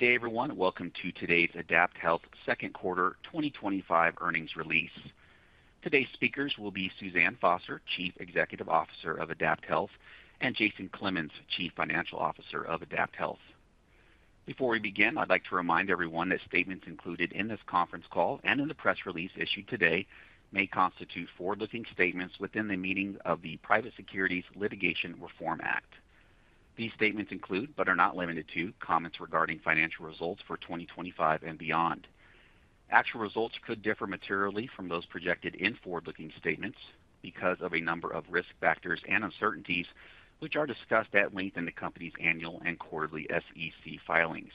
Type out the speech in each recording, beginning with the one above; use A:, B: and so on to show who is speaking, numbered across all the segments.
A: Good day, everyone. Welcome to today's AdaptHealth Corp. second quarter 2025 earnings release. Today's speakers will be Suzanne Foster, Chief Executive Officer of AdaptHealth Corp., and Jason Clemens, Chief Financial Officer of AdaptHealth Corp. Before we begin, I'd like to remind everyone that statements included in this conference call and in the press release issued today may constitute forward-looking statements within the meaning of the Private Securities Litigation Reform Act. These statements include, but are not limited to, comments regarding financial results for 2025 and beyond. Actual results could differ materially from those projected in forward-looking statements because of a number of risk factors and uncertainties, which are discussed at length in the company's annual and quarterly SEC filings.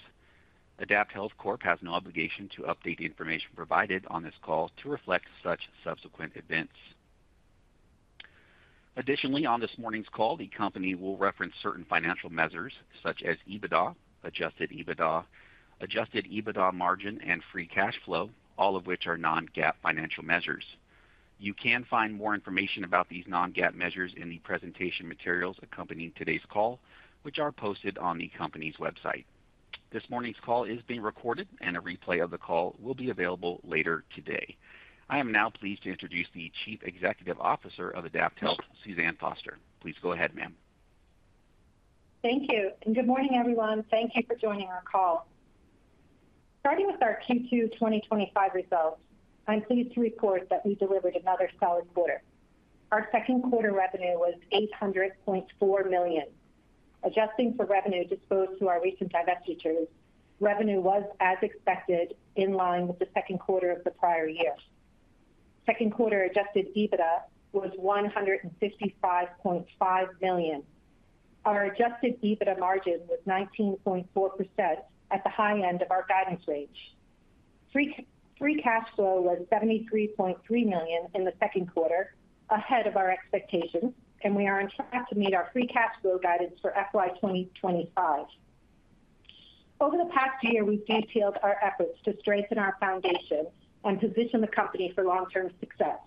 A: AdaptHealth Corp. has no obligation to update the information provided on this call to reflect such subsequent events. Additionally, on this morning's call, the company will reference certain financial measures such as EBITDA, adjusted EBITDA, adjusted EBITDA margin, and free cash flow, all of which are non-GAAP financial measures. You can find more information about these non-GAAP measures in the presentation materials accompanying today's call, which are posted on the company's website. This morning's call is being recorded, and a replay of the call will be available later today. I am now pleased to introduce the Chief Executive Officer of AdaptHealth Corp., Suzanne Foster. Please go ahead, ma'am.
B: Thank you. Good morning, everyone. Thank you for joining our call. Starting with our Q2 2025 results, I'm pleased to report that we delivered another solid quarter. Our second quarter revenue was $800.4 million. Adjusting for revenue disposed to our recent divestiture, revenue was, as expected, in line with the second quarter of the prior year. Second quarter adjusted EBITDA was $155.5 million. Our adjusted EBITDA margin was 19.4% at the high end of our balance range. Free cash flow was $73.3 million in the second quarter, ahead of our expectations, and we are on track to meet our free cash flow guidance for FY 2025. Over the past year, we've detailed our efforts to strengthen our foundation and position the company for long-term success.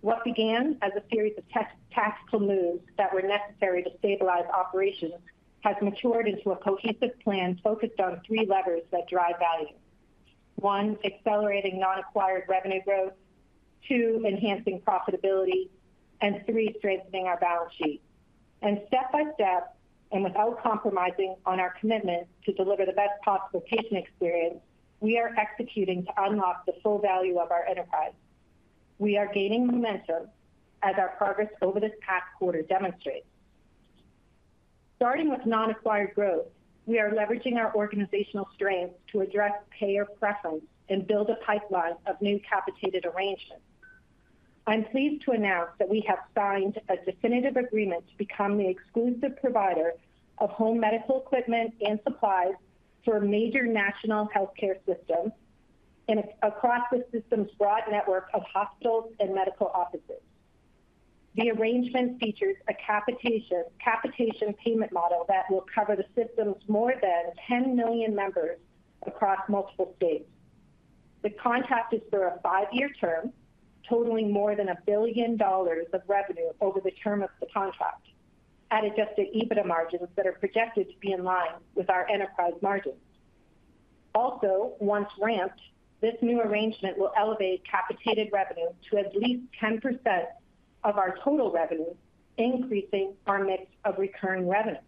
B: What began as a series of tactical moves that were necessary to stabilize operations has matured into a cohesive plan focused on three levers that drive value: one, accelerating non-acquired revenue growth; two, enhancing profitability; and three, strengthening our balance sheet. Step by step and without compromising on our commitment to deliver the best possible patient experience, we are executing to unlock the full value of our enterprise. We are gaining momentum as our progress over this past quarter demonstrates. Starting with non-acquired growth, we are leveraging our organizational strengths to address payer preference and build a pipeline of new capitated arrangements. I'm pleased to announce that we have signed a definitive agreement to become the exclusive provider of home medical equipment and supplies for a major national healthcare system and across the system's broad network of hospitals and medical offices. The arrangement features a capitation payment model that will cover the system's more than 10 million members across multiple states. The contract is for a five-year term, totaling more than a billion dollars of revenue over the term of the contract, at adjusted EBITDA margins that are projected to be in line with our enterprise margins. Also, once ramped, this new arrangement will elevate capitated revenue to at least 10% of our total revenue, increasing our mix of recurring revenue.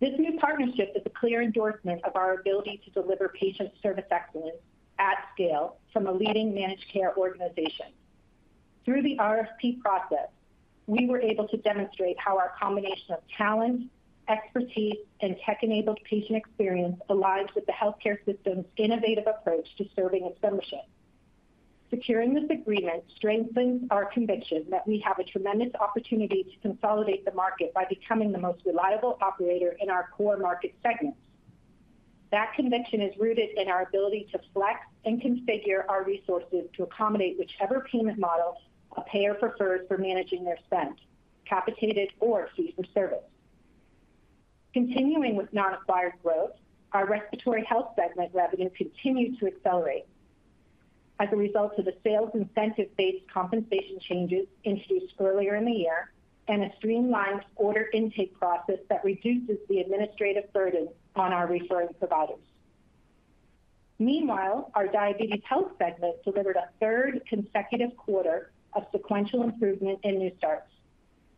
B: This new partnership is a clear endorsement of our ability to deliver patient service excellence at scale from a leading managed care organization. Through the RFP process, we were able to demonstrate how our combination of talent, expertise, and tech-enabled patient experience aligns with the healthcare system's innovative approach to serving its ownership. Securing this agreement strengthens our conviction that we have a tremendous opportunity to consolidate the market by becoming the most reliable operator in our core market segments. That conviction is rooted in our ability to flex and configure our resources to accommodate whichever payment model a payer prefers for managing their spend, capitated or fee-for-service. Continuing with non-acquired growth, our respiratory health segment revenue continues to accelerate as a result of the sales incentive-based compensation changes introduced earlier in the year and a streamlined order intake process that reduces the administrative burden on our referring providers. Meanwhile, our diabetes health segment delivered a third consecutive quarter of sequential improvement in new starts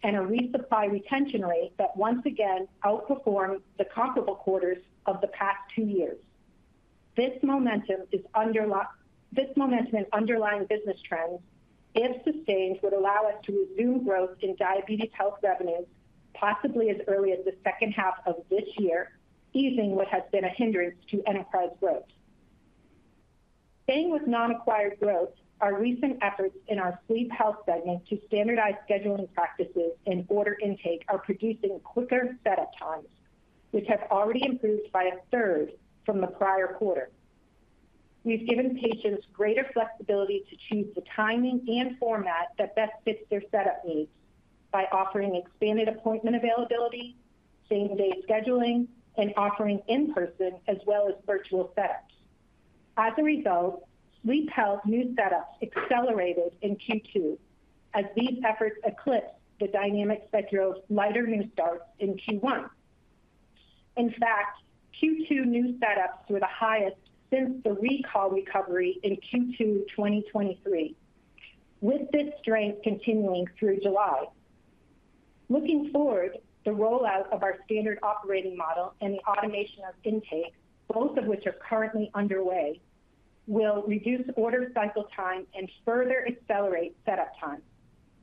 B: and a resupply retention rate that once again outperformed the comparable quarters of the past two years. This momentum and underlying business trends, if sustained, would allow us to resume growth in diabetes health revenue, possibly as early as the second half of this year, easing what has been a hindrance to enterprise growth. Staying with non-acquired growth, our recent efforts in our sleep health segment to standardize scheduling practices and order intake are producing quicker setup times, which have already improved by a third from the prior quarter. We've given patients greater flexibility to choose the timing and format that best fits their setup needs by offering expanded appointment availability, same-day scheduling, and offering in-person as well as virtual setups. As a result, sleep health new setups accelerated in Q2 as these efforts eclipsed the dynamics that drove lighter new starts in Q1. In fact, Q2 new setups were the highest since the recall recovery in Q2 2023, with this strength continuing through July. Looking forward, the rollout of our standard operating model and the automation of intake, both of which are currently underway, will reduce order cycle time and further accelerate setup time,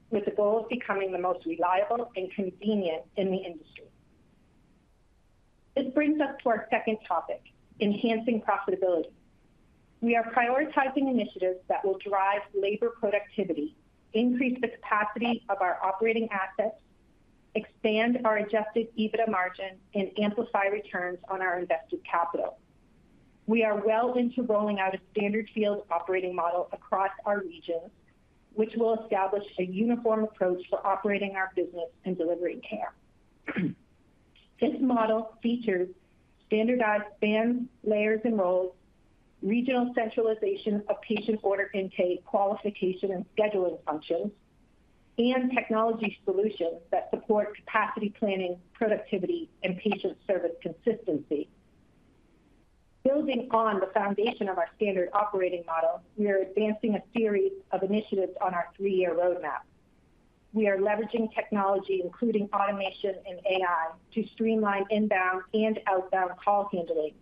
B: with the goal of becoming the most reliable and convenient in the industry. This brings us to our second topic: enhancing profitability. We are prioritizing initiatives that will drive labor productivity, increase the capacity of our operating assets, expand our adjusted EBITDA margin, and amplify returns on our invested capital. We are well into rolling out a standard field operating model across our regions, which will establish a uniform approach for operating our business and delivering care. This model features standardized span, layers, and roles, regional centralization of patient order intake, qualification, and scheduling functions, and technology solutions that support capacity planning, productivity, and patient service consistency. Building on the foundation of our standard operating model, we are advancing a series of initiatives on our three-year roadmap. We are leveraging technology, including automation and AI, to streamline inbound and outbound call handling.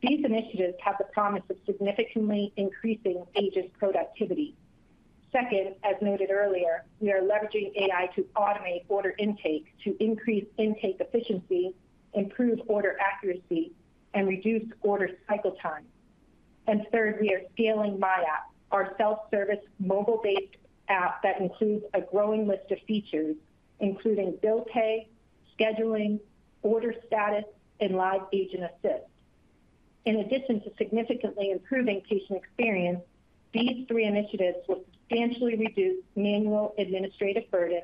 B: These initiatives have the promise of significantly increasing agent productivity. Second, as noted earlier, we are leveraging AI to automate order intake to increase intake efficiency, improve order accuracy, and reduce order cycle time. Third, we are scaling myAPP, our self-service mobile-based app that includes a growing list of features, including bill pay, scheduling, order status, and live agent assist. In addition to significantly improving patient experience, these three initiatives will substantially reduce manual administrative burden,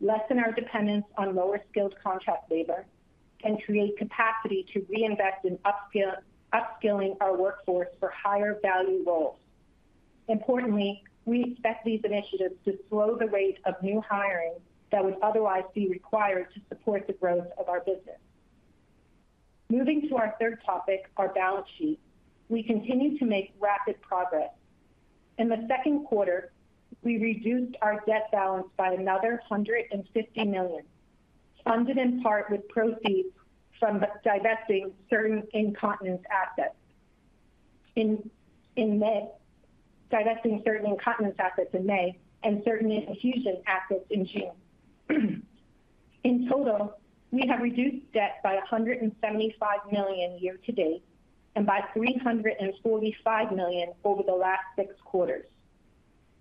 B: lessen our dependence on lower skilled contract labor, and create capacity to reinvest in upskilling our workforce for higher value roles. Importantly, we expect these initiatives to slow the rate of new hiring that would otherwise be required to support the growth of our business. Moving to our third topic, our balance sheet, we continue to make rapid progress. In the second quarter, we reduced our debt balance by another $150 million, funded in part with proceeds from divesting certain incontinence assets in May and certain infusion assets in June. In total, we have reduced debt by $175 million year to date and by $345 million over the last six quarters.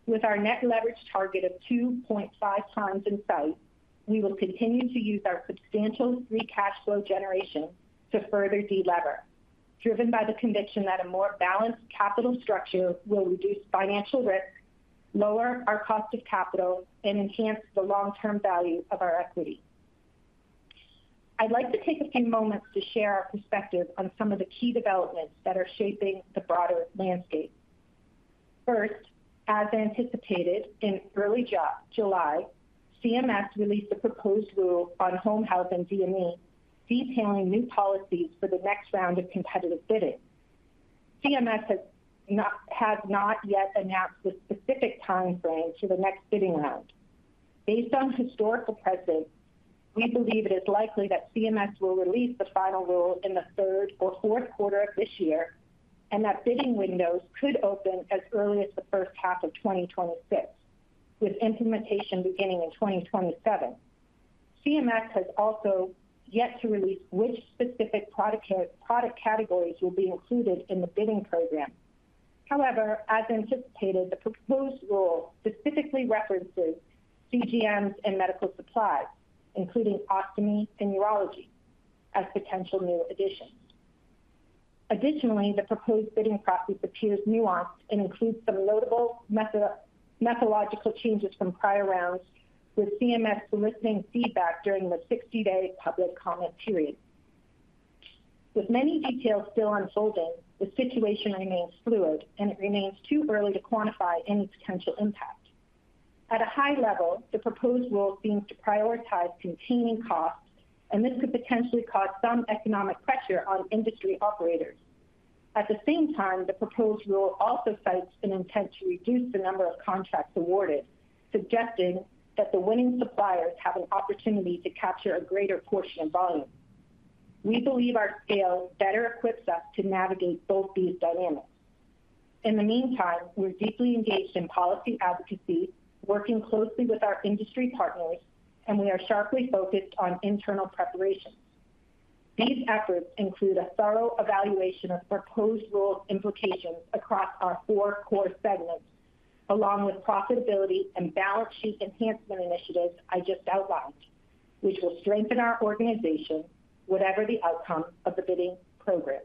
B: With our net leverage target of 2.5 times in sight, we will continue to use our substantial free cash flow generation to further delever, driven by the conviction that a more balanced capital structure will reduce financial risk, lower our cost of capital, and enhance the long-term value of our equity. I'd like to take a few moments to share our perspective on some of the key developments that are shaping the broader landscape. First, as anticipated in early July, CMS released a proposed rule on home health and DME, detailing new policies for the next round of competitive bidding. CMS has not yet announced the specific timeframe for the next bidding round. Based on historical precedent, we believe it is likely that CMS will release the final rule in the third or fourth quarter of this year and that bidding windows could open as early as the first half of 2026, with implementation beginning in 2027. CMS has also yet to release which specific product categories will be included in the bidding program. However, as anticipated, the proposed rule specifically references continuous glucose monitors and medical supplies, including ostomy and urological, as potential new additions. Additionally, the proposed bidding process appears nuanced and includes some notable methodological changes from prior rounds, with CMS soliciting feedback during the 60-day public comment period. With many details still unfolding, the situation remains fluid and it remains too early to quantify any potential impact. At a high level, the proposed rule seems to prioritize containing costs, and this could potentially cause some economic pressure on industry operators. At the same time, the proposed rule also cites an intent to reduce the number of contracts awarded, suggesting that the winning suppliers have an opportunity to capture a greater portion of volume. We believe our scale better equips us to navigate both these dynamics. In the meantime, we're deeply engaged in policy advocacy, working closely with our industry partners, and we are sharply focused on internal preparation. These efforts include a thorough evaluation of the proposed rule implications across our four core segments, along with profitability and balance sheet enhancement initiatives I just outlined, which will strengthen our organization, whatever the outcome of the bidding program.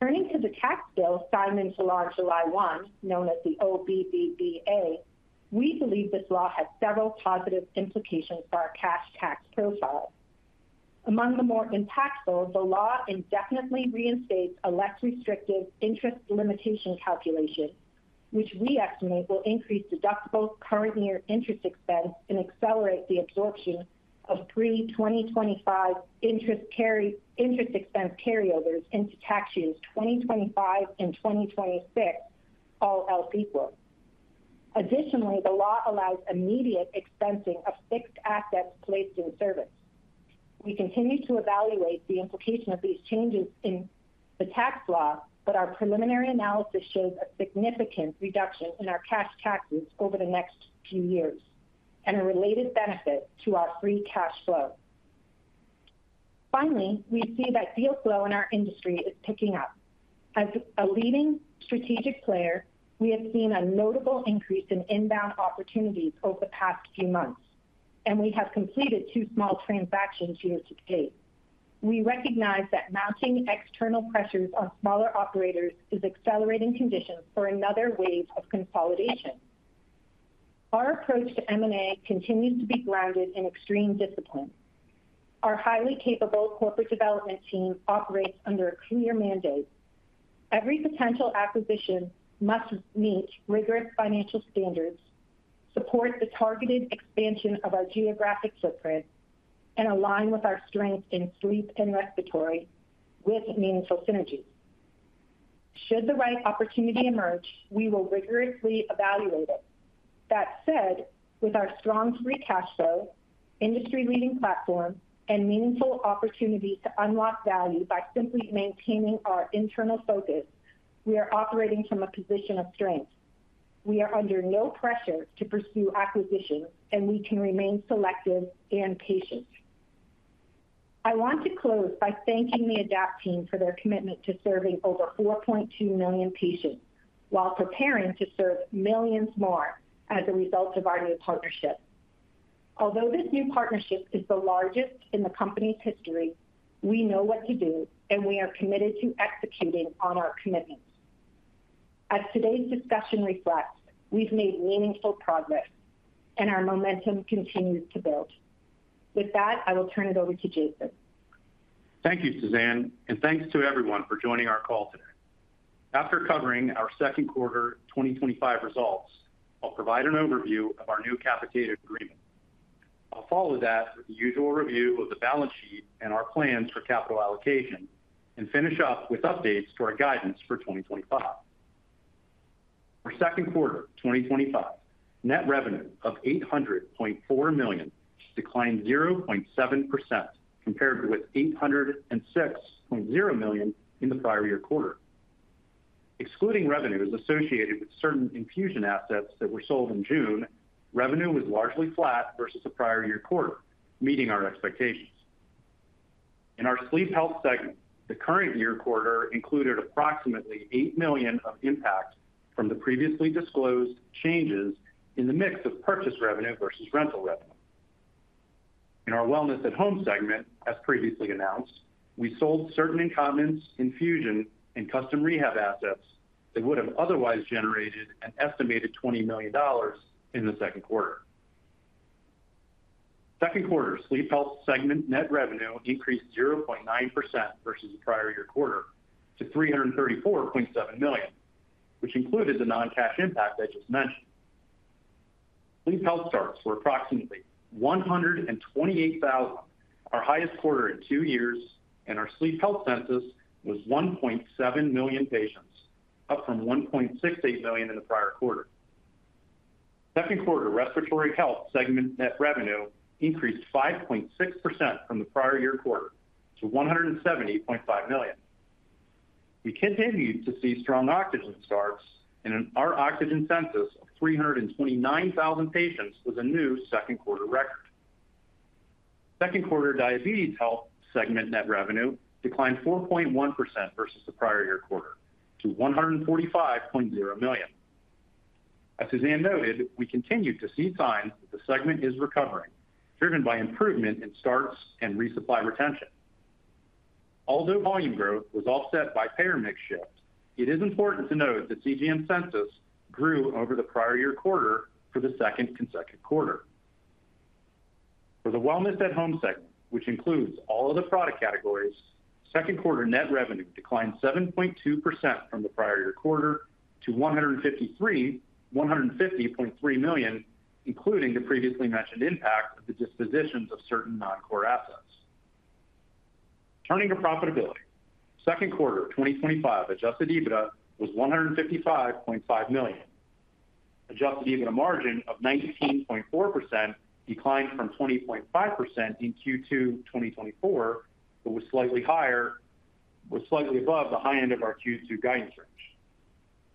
B: Turning to the tax bill signed on July 1, known as the OBBBA, we believe this law has several positive implications for our cash tax profile. Among the more impactful, the law indefinitely reinstates a less restrictive interest limitation calculation, which we estimate will increase deductible current year interest expense and accelerate the absorption of pre-2025 interest expense carryovers into tax years 2025 and 2026, all else equal. Additionally, the law allows immediate expensing of fixed assets placed in service. We continue to evaluate the implication of these changes in the tax law, but our preliminary analysis shows a significant reduction in our cash taxes over the next few years and a related benefit to our free cash flow. Finally, we see that deal flow in our industry is picking up. As a leading strategic player, we have seen a notable increase in inbound opportunities over the past few months, and we have completed two small transactions here to date. We recognize that mounting external pressures on smaller operators is accelerating conditions for another wave of consolidation. Our approach to M&A continues to be grounded in extreme discipline. Our highly capable corporate development team operates under a clear mandate. Every potential acquisition must meet rigorous financial standards, support the targeted expansion of our geographic footprint, and align with our strengths in sleep and respiratory with meaningful synergies. Should the right opportunity emerge, we will rigorously evaluate. That said, with our strong free cash flow, industry-leading platform, and meaningful opportunity to unlock value by simply maintaining our internal focus, we are operating from a position of strength. We are under no pressure to pursue acquisitions, and we can remain selective and patient. I want to close by thanking the AdaptHealth team for their commitment to serving over 4.2 million patients while preparing to serve millions more as a result of our new partnership. Although this new partnership is the largest in the company's history, we know what to do, and we are committed to executing on our commitments. As today's discussion reflects, we've made meaningful progress, and our momentum continues to build. With that, I will turn it over to Jason.
C: Thank you, Suzanne, and thanks to everyone for joining our call today. After covering our second quarter 2025 results, I'll provide an overview of our new capitation agreement. I'll follow that with the usual review of the balance sheet and our plans for capital allocation and finish up with updates to our guidance for 2025. For second quarter 2025, net revenue of $800.4 million declined 0.7% compared with $806.0 million in the prior year quarter. Excluding revenues associated with certain infusion assets that were sold in June, revenue was largely flat versus the prior year quarter, meeting our expectations. In our sleep health segment, the current year quarter included approximately $8 million of impact from the previously disclosed changes in the mix of purchase revenue versus rental revenue. In our wellness at home segment, as previously announced, we sold certain incontinence, infusion, and custom rehab assets that would have otherwise generated an estimated $20 million in the second quarter. Second quarter sleep health segment net revenue increased 0.9% versus the prior year quarter to $334.7 million, which included the non-cash impact I just mentioned. Sleep health starts were approximately 128,000, our highest quarter in two years, and our sleep health census was 1.7 million patients, up from 1.68 million in the prior quarter. Second quarter respiratory health segment net revenue increased 5.6% from the prior year quarter to $170.5 million. We continued to see strong oxygen starts, and our oxygen census of 329,000 patients was a new second quarter record. Second quarter diabetes health segment net revenue declined 4.1% versus the prior year quarter to $145.0 million. As Suzanne noted, we continued to see signs that the segment is recovering, driven by improvement in starts and resupply retention. Although volume growth was offset by payer mix shifts, it is important to note that CGM census grew over the prior year quarter for the second consecutive quarter. For the wellness at home segment, which includes all other product categories, second quarter net revenue declined 7.2% from the prior year quarter to $153.3 million, including the previously mentioned impact of the dispositions of certain non-core assets. Turning to profitability, second quarter 2025 adjusted EBITDA was $155.5 million. Adjusted EBITDA margin of 19.4% declined from 20.5% in Q2 2024, but was slightly above the high end of our Q2 guidance range.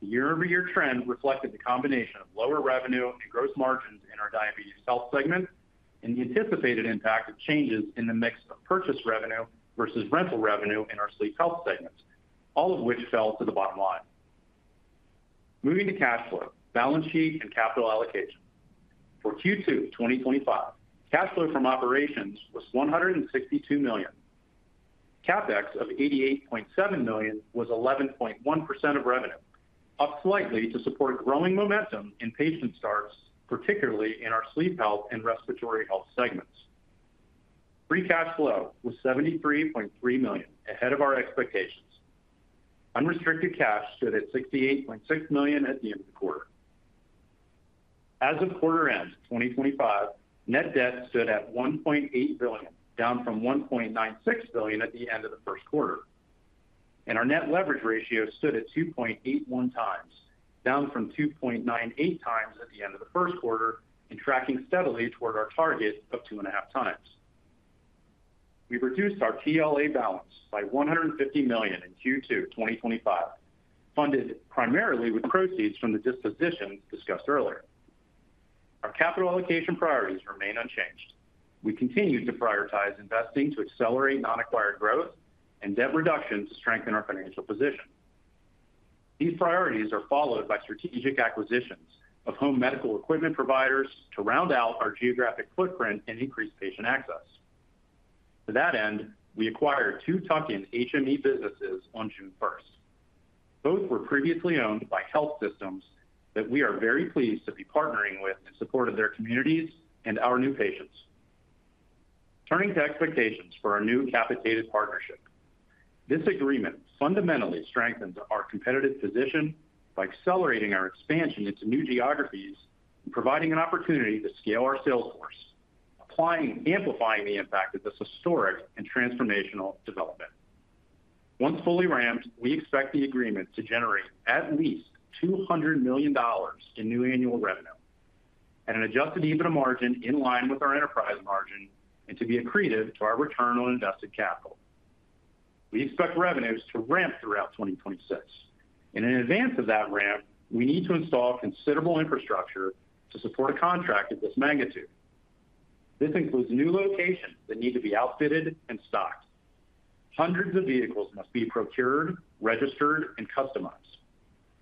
C: The year-over-year trend reflected the combination of lower revenue and gross margins in our diabetes health segment and the anticipated impact of changes in the mix of purchase revenue versus rental revenue in our sleep health segment, all of which fell to the bottom line. Moving to cash flow, balance sheet, and capital allocation. For Q2 2025, cash flow from operations was $162 million. CapEx of $88.7 million was 11.1% of revenue, up slightly to support growing momentum in patient starts, particularly in our sleep health and respiratory health segments. Free cash flow was $73.3 million, ahead of our expectations. Unrestricted cash stood at $68.6 million at the end of the quarter. As of quarter end 2025, net debt stood at $1.8 billion, down from $1.96 billion at the end of the first quarter. Our net leverage ratio stood at 2.81 times, down from 2.98 times at the end of the first quarter and tracking steadily toward our target of 2.5 times. We reduced our BLA balance by $150 million in Q2 2025, funded primarily with proceeds from the dispositions discussed earlier. Our capital allocation priorities remain unchanged. We continue to prioritize investing to accelerate non-acquired growth and debt reduction to strengthen our financial position. These priorities are followed by strategic acquisitions of home medical equipment providers to round out our geographic footprint and increase patient access. To that end, we acquired two tuck-in HME businesses on June 1. Both were previously owned by Kell Systems that we are very pleased to be partnering with to support their communities and our new patients. Turning to expectations for our new capitated partnership, this agreement fundamentally strengthens our competitive position by accelerating our expansion into new geographies, providing an opportunity to scale our sales force, amplifying the impact of this historic and transformational development. Once fully ramped, we expect the agreement to generate at least $200 million in new annual revenue and an adjusted EBITDA margin in line with our enterprise margin and to be accretive to our return on invested capital. We expect revenues to ramp throughout 2026. In advance of that ramp, we need to install considerable infrastructure to support a contract of this magnitude. This includes new locations that need to be outfitted and stocked. Hundreds of vehicles must be procured, registered, and customized.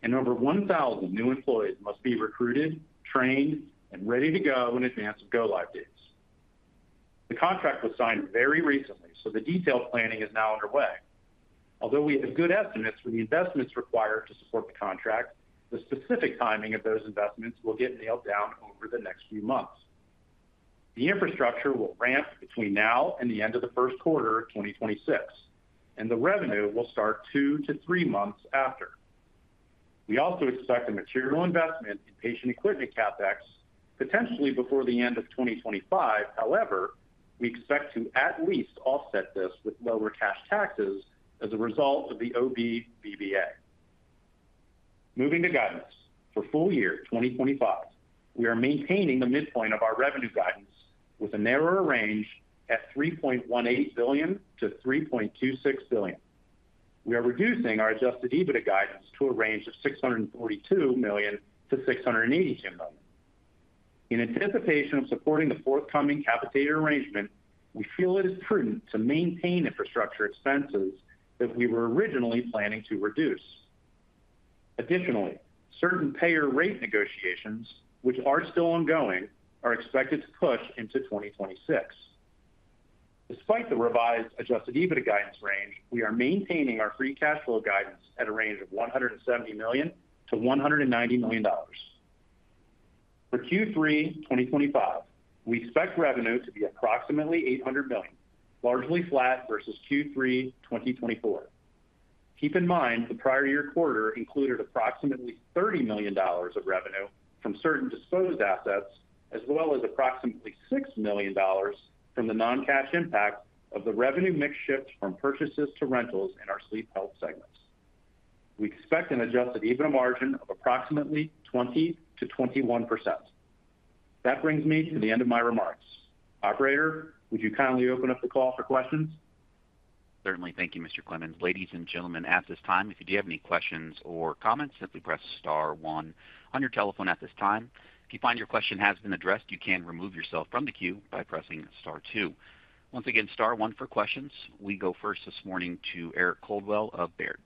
C: Over 1,000 new employees must be recruited, trained, and ready to go in advance of go-live dates. The contract was signed very recently, so the detailed planning is now underway. Although we have good estimates for the investments required to support the contract, the specific timing of those investments will get nailed down over the next few months. The infrastructure will ramp between now and the end of the first quarter of 2026, and the revenue will start two to three months after. We also expect a material investment in patient equipment CapEx, potentially before the end of 2025. However, we expect to at least offset this with lower cash taxes as a result of the OBBBA. Moving to guidance for full year 2025, we are maintaining the midpoint of our revenue guidance with a narrower range at $3.18 billion-$3.26 billion. We are reducing our adjusted EBITDA guidance to a range of $642 million-$682 million. In anticipation of supporting the forthcoming capitated arrangement, we feel it is prudent to maintain infrastructure expenses that we were originally planning to reduce. Additionally, certain payer rate negotiations, which are still ongoing, are expected to push into 2026. Despite the revised adjusted EBITDA guidance range, we are maintaining our free cash flow guidance at a range of $170 million-$190 million. For Q3 2025, we expect revenue to be approximately $800 million, largely flat versus Q3 2024. Keep in mind the prior year quarter included approximately $30 million of revenue from certain disposed assets, as well as approximately $6 million from the non-cash impact of the revenue mix shift from purchases to rentals in our sleep health segments. We expect an adjusted EBITDA margin of approximately 20%-21%. That brings me to the end of my remarks. Operator, would you kindly open up the call for questions?
A: Certainly. Thank you, Mr. Clemens. Ladies and gentlemen, at this time, if you do have any questions or comments, simply press star one on your telephone at this time. If you find your question has been addressed, you can remove yourself from the queue by pressing star two. Once again, star one for questions. We go first this morning to Eric White Coldwell of Robert W. Baird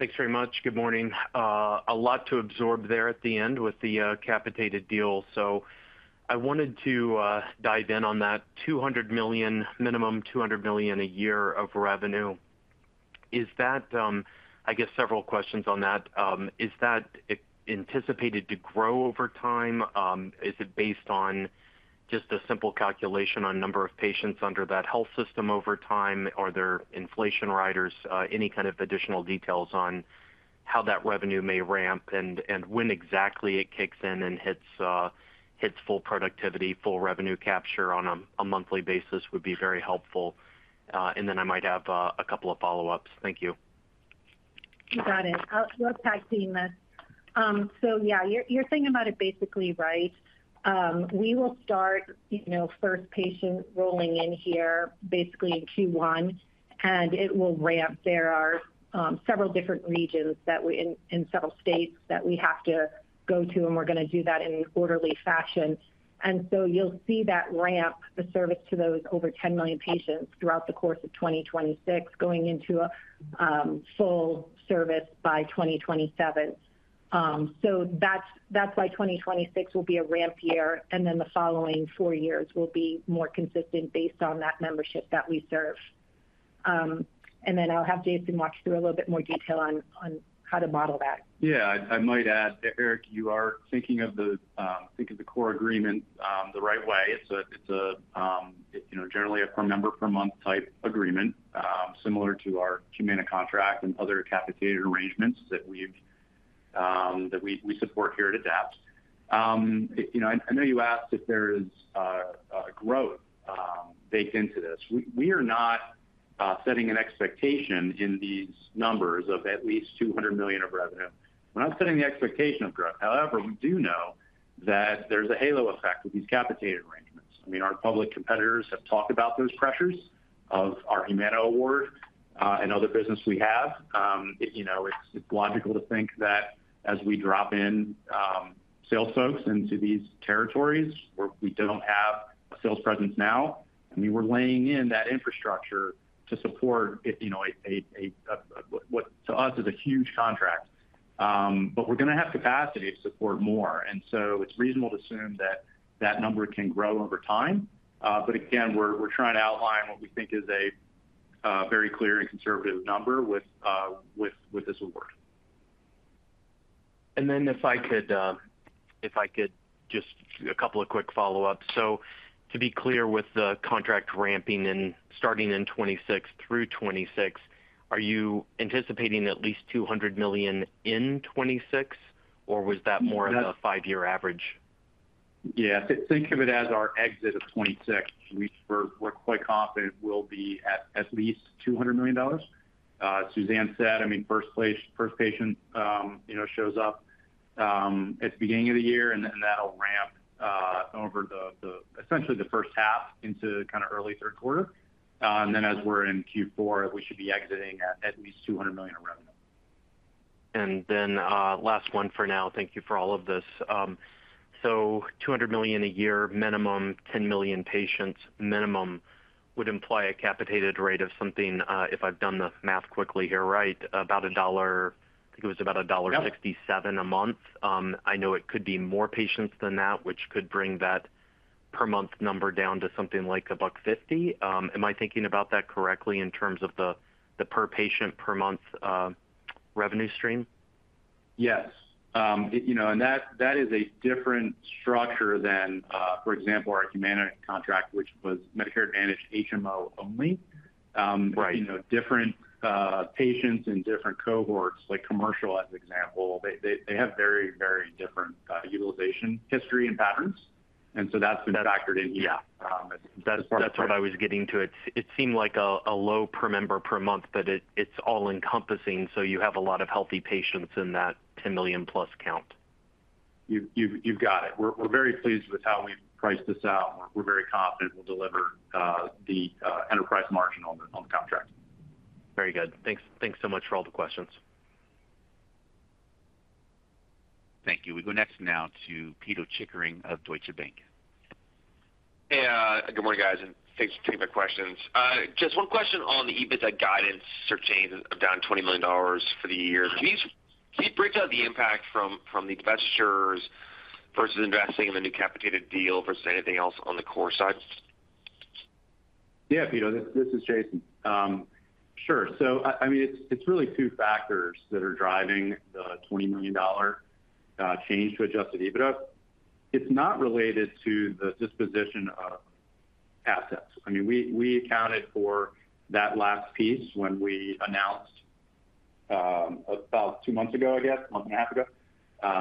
A: & Co. Incorporated.
D: Thanks very much. Good morning. A lot to absorb there at the end with the capitation agreement. I wanted to dive in on that $200 million, minimum $200 million a year of revenue. Is that, I guess, several questions on that. Is that anticipated to grow over time? Is it based on just a simple calculation on the number of patients under that health system over time? Are there inflation riders? Any kind of additional details on how that revenue may ramp and when exactly it kicks in and hits full productivity, full revenue capture on a monthly basis would be very helpful. I might have a couple of follow-ups. Thank you.
B: You got it. I'll text this. Yeah, you're saying about it basically right. We will start, you know, first patient rolling in here basically in Q1, and it will ramp. There are several different regions that we, in several states that we have to go to, and we're going to do that in an orderly fashion. You'll see that ramp, the service to those over 10 million patients throughout the course of 2026, going into a full service by 2027. That is why 2026 will be a ramp year, and the following four years will be more consistent based on that membership that we serve. I'll have Jason Clemens walk through a little bit more detail on how to model that.
C: Yeah, I might add, Eric, you are thinking of the core agreement the right way. It's a, you know, generally a per member, per month type agreement, similar to our Humana contract and other capitated arrangements that we support here at AdaptHealth Corp. I know you asked if there is a growth baked into this. We are not setting an expectation in these numbers of at least $200 million of revenue. We're not setting the expectation of growth. However, we do know that there's a halo effect with these capitated arrangements. I mean, our public competitors have talked about those pressures of our Humana award and other business we have. It's logical to think that as we drop in sales folks into these territories where we don't have a sales presence now, we were laying in that infrastructure to support what to us is a huge contract. We're going to have capacity to support more. It's reasonable to assume that that number can grow over time. Again, we're trying to outline what we think is a very clear and conservative number with this award.
D: To be clear, with the contract ramping and starting in 2026 through 2026, are you anticipating at least $200 million in 2026, or was that more of a five-year average?
C: Think of it as our exit of 2026. We're quite confident we'll be at at least $200 million. Suzanne said, I mean, first place, first patient, you know, shows up at the beginning of the year, and then that'll ramp over essentially the first half into kind of early third quarter. As we're in Q4, we should be exiting at at least $200 million of revenue.
D: Thank you for all of this. $200 million a year, minimum 10 million patients minimum, would imply a capitated rate of something, if I've done the math quickly here, right, about $1. I think it was about $1.67 a month. I know it could be more patients than that, which could bring that per month number down to something like $1.50. Am I thinking about that correctly in terms of the per patient per month revenue stream?
C: Yes. That is a different structure than, for example, our Humana contract, which was Medicare Advantage HMO only. Different patients in different cohorts, like commercial, as an example, have very, very different utilization history and patterns. That has been factored in. Yeah.
D: That's what I was getting to. It seemed like a low per member per month, but it's all encompassing. You have a lot of healthy patients in that 10 million count.
C: You've got it. We're very pleased with how we've priced this out. We're very confident we'll deliver the enterprise margin on the contract.
D: Very good. Thanks so much for all the questions.
A: Thank you. We go next now to Pito Chickering of Deutsche Bank AG.
E: Hey, good morning, guys, and thanks for taking my questions. Just one question on the adjusted EBITDA guidance, certainly down $20 million for the year. Could you break down the impact from these bet shares versus investing in a new capitation agreement versus anything else on the core side?
C: Yeah, Pito, this is Jason. Sure. It's really two factors that are driving the $20 million change to adjusted EBITDA. It's not related to the disposition of assets. We accounted for that last piece when we announced about two months ago, I guess, a month and a half ago,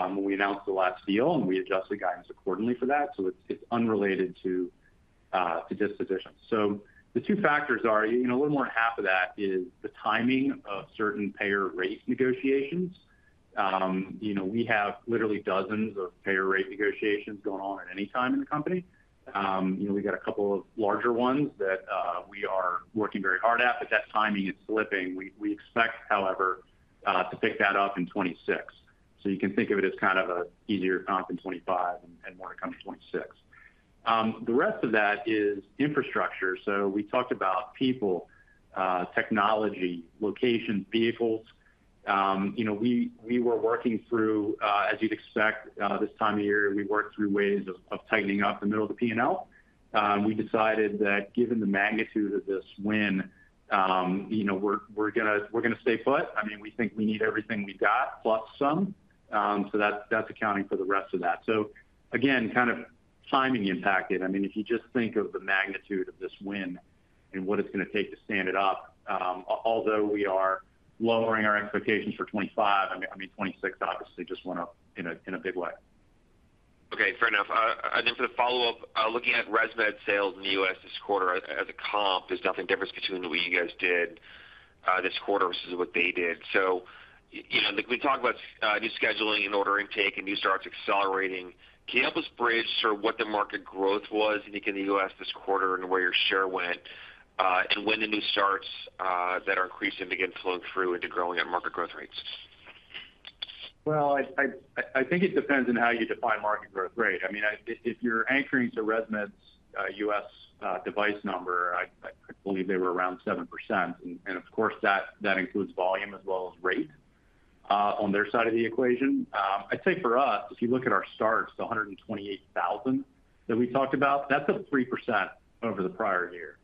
C: when we announced the last deal, and we adjusted guidance accordingly for that. It's unrelated to disposition. The two factors are, you know, a little more than half of that is the timing of certain payer rate negotiations. We have literally dozens of payer rate negotiations going on at any time in the company. We got a couple of larger ones that we are working very hard at, but that timing is slipping. We expect, however, to pick that up in 2026. You can think of it as kind of an easier comp in 2025 and more to come in 2026. The rest of that is infrastructure. We talked about people, technology, locations, vehicles. We were working through, as you'd expect, this time of year, we worked through ways of tightening up the middle of the P&L. We decided that given the magnitude of this win, we're going to stay put. We think we need everything we've got, plus some. That's accounting for the rest of that. Again, kind of timing impacted. If you just think of the magnitude of this win and what it's going to take to stand it up, although we are lowering our implications for 2025, 2026 obviously just went up in a big way.
E: Okay, fair enough. I think the follow-up, looking at ResMed sales in the U.S. this quarter as a comp, there's nothing different between what you guys did this quarter versus what they did. You know, we talk about new scheduling and order intake and new starts accelerating. Can you help us bridge sort of what the market growth was in the U.S. this quarter and where your share went and when the new starts that are increasing begin to flow through into growing at market growth rates?
C: I think it depends on how you define market growth rate. If you're anchoring to ResMed's U.S. device number, I believe they were around 7%. Of course, that includes volume as well as rate on their side of the equation. I'd say for us, if you look at our starts, the 128,000 that we talked about, that's up 3% over the prior year.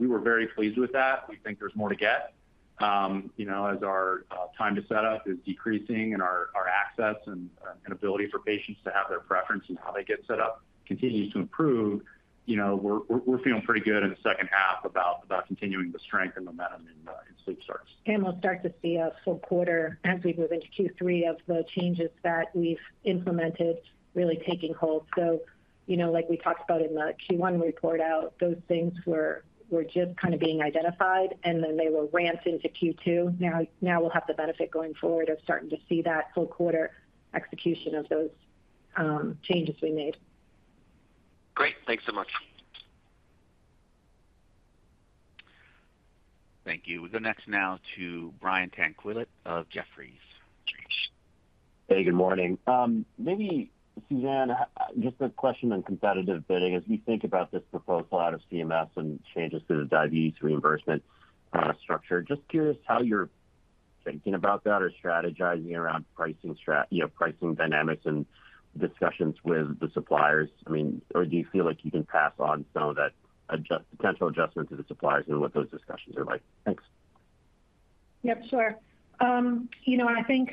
C: We were very pleased with that. We think there's more to get. As our time to set up is decreasing and our access and ability for patients to have their preference in how they get set up continues to improve, we're feeling pretty good in the second half about continuing to strengthen momentum in sleep starts.
B: We will start to see a full quarter as we move into Q3 of the changes that we've implemented really taking hold. Like we talked about in the Q1 report out, those things were kind of being identified, and then they were ramped into Q2. Now we'll have the benefit going forward of starting to see that full quarter execution of those changes we made.
E: Great. Thanks so much.
A: Thank you. We go next now to Brian Gil Tanquilut of Jefferies LLC.
F: Hey, good morning. Maybe, Suzanne, just a question on competitive bidding. As we think about this proposal out of CMS and changes to the diabetes reimbursement structure, just curious how you're thinking about that or strategizing around pricing, you know, pricing dynamics and discussions with the suppliers. I mean, do you feel like you can pass on some of that potential adjustment to the suppliers and what those discussions are like? Thanks.
B: Yep, sure. I think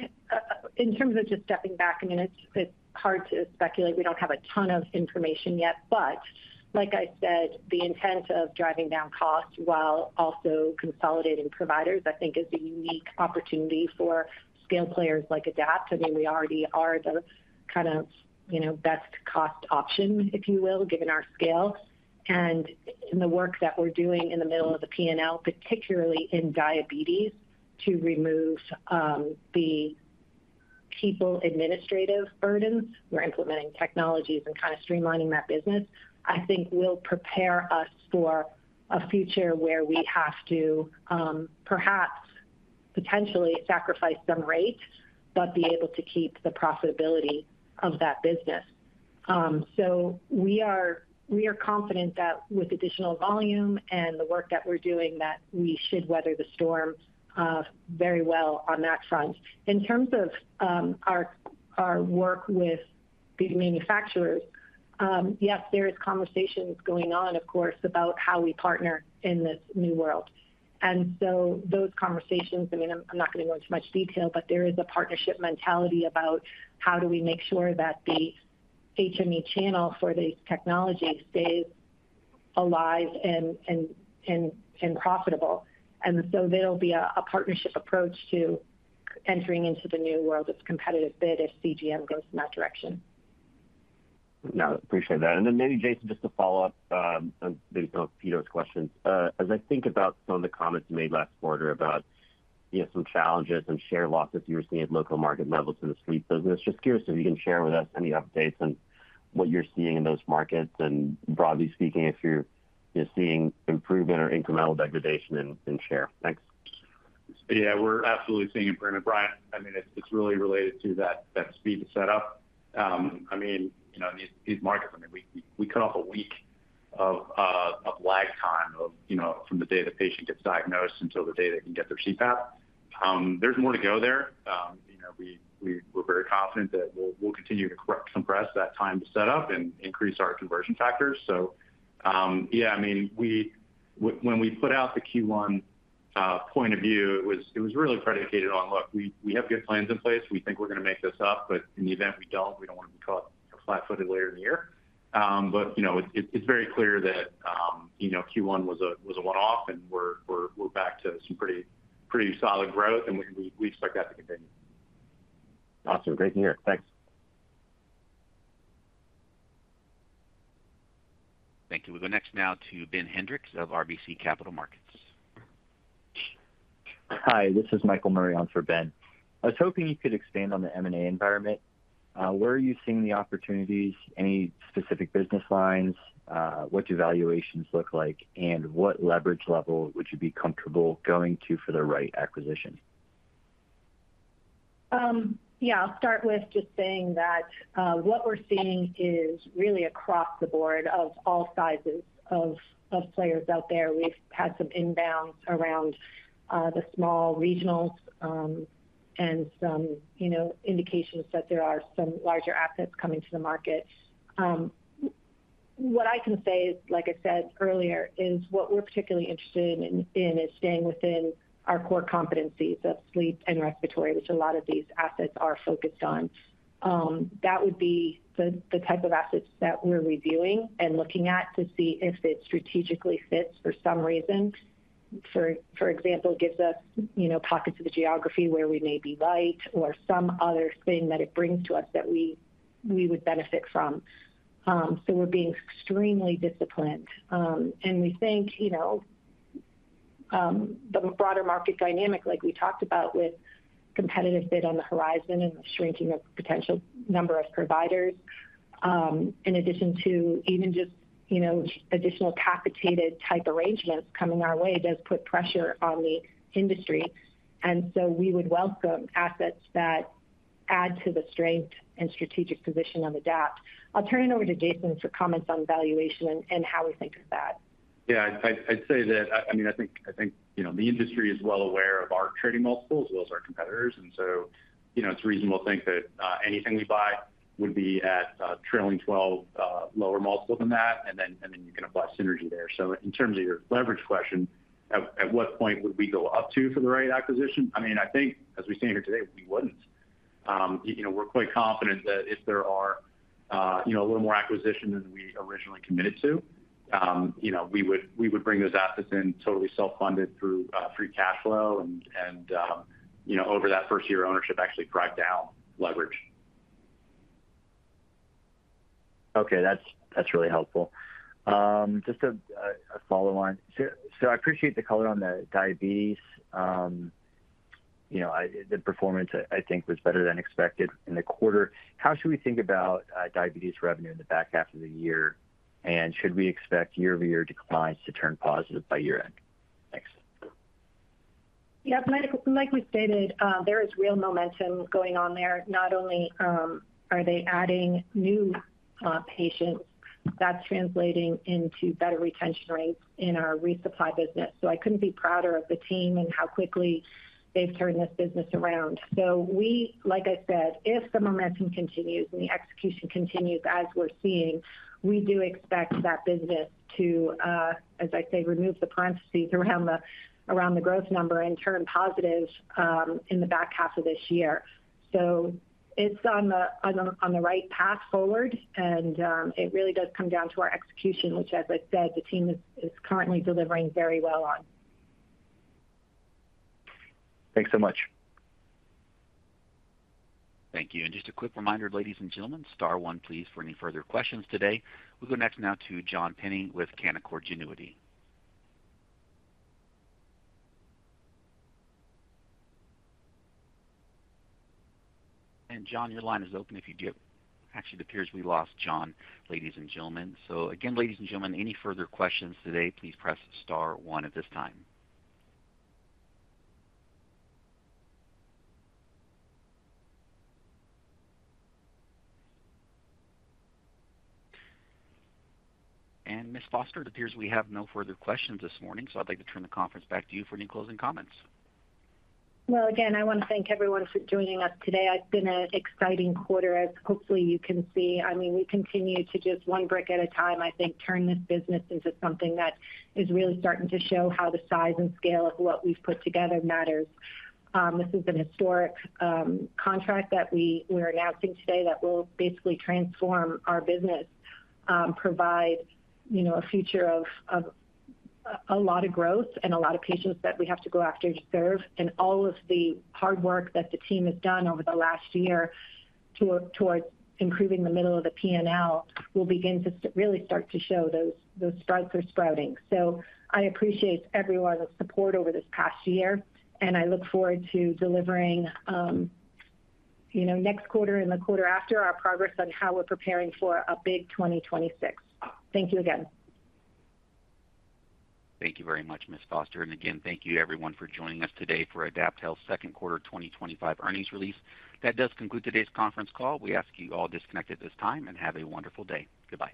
B: in terms of just stepping back, it's hard to speculate. We don't have a ton of information yet. Like I said, the intent of driving down costs while also consolidating providers is a unique opportunity for scale players like AdaptHealth Corp. We already are the best cost option, if you will, given our scale. In the work that we're doing in the middle of the P&L, particularly in diabetes, to remove the people administrative burdens, we're implementing technologies and streamlining that business, which I think will prepare us for a future where we have to perhaps potentially sacrifice some rate but be able to keep the profitability of that business. We are confident that with additional volume and the work that we're doing, we should weather the storm very well on that front. In terms of our work with the manufacturers, yes, there are conversations going on, of course, about how we partner in this new world. Those conversations, I'm not going to go into much detail, but there is a partnership mentality about how do we make sure that the HME channel for these technologies stays alive and profitable. There will be a partnership approach to entering into the new world of competitive bidding for DME if continuous glucose monitors go in that direction.
F: No, I appreciate that. Maybe, Jason, just to follow up, I believe Pito's questions, as I think about some of the comments you made last quarter about some challenges and share losses you were seeing at local market levels in the sleep business. Just curious if you can share with us any updates on what you're seeing in those markets and, broadly speaking, if you're seeing improvement or incremental degradation in share. Thanks.
C: Yeah, we're absolutely seeing improvement. Brian, I mean, it's really related to that speed to set up. In these markets, we cut off a week of lag time from the day the patient gets diagnosed until the day they can get their CPAP. There's more to go there. We're very confident that we'll continue to compress that time to set up and increase our conversion factors. When we put out the Q1 point of view, it was really predicated on, look, we have good plans in place. We think we're going to make this up. In the event we don't, we don't want to call it flat-footed later in the year. It's very clear that Q1 was a one-off and we're back to some pretty solid growth and we expect that to continue.
F: Awesome. Great to hear. Thanks.
A: Thank you. We go next now to Ben Hendricks of RBC Capital Markets.
G: Hi, this is Michael Marion for Ben. I was hoping you could expand on the M&A environment. Where are you seeing the opportunities? Any specific business lines? What do valuations look like, and what leverage level would you be comfortable going to for the right acquisition?
B: Yeah, I'll start with just saying that what we're seeing is really across the board of all sizes of players out there. We've had some inbound around the small regionals and some indications that there are some larger assets coming to the market. What I can say, like I said earlier, is what we're particularly interested in is staying within our core competencies of sleep and respiratory, which a lot of these assets are focused on. That would be the type of assets that we're reviewing and looking at to see if it strategically fits for some reason. For example, gives us pockets of the geography where we may be light or some other thing that it brings to us that we would benefit from. We're being extremely disciplined. We think the broader market dynamic, like we talked about, with competitive bidding for DME on the horizon and the shrinking of the potential number of providers, in addition to even just additional capitated type arrangements coming our way, does put pressure on the industry. We would welcome assets that add to the strength and strategic position of AdaptHealth Corp. I'll turn it over to Jason for comments on valuation and how we think of that.
C: Yeah, I'd say that, I mean, I think the industry is well aware of our trading multiples as well as our competitors. It's a reasonable thing that anything we buy would be at a trailing 12 lower multiple than that, and you can apply synergy there. In terms of your leverage question, at what point would we go up to for the right acquisition? I think, as we stand here today, we wouldn't. We're quite confident that if there are a little more acquisition than we originally committed to, we would bring those assets in totally self-funded through free cash flow and over that first year ownership actually drive down leverage.
G: Okay, that's really helpful. Just a follow-up. I appreciate the color on the diabetes. You know, the performance, I think, was better than expected in the quarter. How should we think about diabetes revenue in the back half of the year? Should we expect year-over-year declines to turn positive by year end? Thanks.
B: Yeah, like we stated, there is real momentum going on there. Not only are they adding new patients, that's translating into better retention rates in our resupply business. I couldn't be prouder of the team and how quickly they've turned this business around. If the momentum continues and the execution continues as we're seeing, we do expect that business to, as I say, remove the parentheses around the growth number and turn positive in the back half of this year. It's on the right path forward. It really does come down to our execution, which, as I said, the team is currently delivering very well on.
G: Thanks so much.
A: Thank you. Just a quick reminder, ladies and gentlemen, star one, please, for any further questions today. We'll go next to John Penning with Canaccord Genuity. John, your line is open if you do. It appears we lost John, ladies and gentlemen. Again, ladies and gentlemen, any further questions today, please press star one at this time. Ms. Foster, it appears we have no further questions this morning. I'd like to turn the conference back to you for any closing comments.
B: I want to thank everyone for joining us today. It's been an exciting quarter, as hopefully you can see. I mean, we continue to just one brick at a time, I think, turn this business into something that is really starting to show how the size and scale of what we've put together matters. This is a historic contract that we are announcing today that will basically transform our business, provide, you know, a future of a lot of growth and a lot of patients that we have to go after to serve. All of the hard work that the team has done over the last year towards improving the middle of the P&L will begin to really start to show those spikes are sprouting. I appreciate everyone's support over this past year. I look forward to delivering, you know, next quarter and the quarter after our progress on how we're preparing for a big 2026. Thank you again.
A: Thank you very much, Ms. Foster. Thank you, everyone, for joining us today for AdaptHealth Corp.'s second quarter 2025 earnings release. That does conclude today's conference call. We ask you all to disconnect at this time and have a wonderful day. Goodbye.